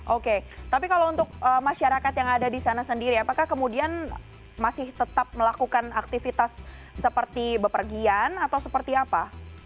oke tapi kalau untuk masyarakat yang ada di sana sendiri apakah kemudian masih tetap melakukan aktivitas seperti bepergian atau seperti apa